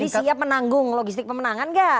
jadi siap menanggung logistik pemenangan gak